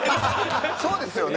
そうですよね。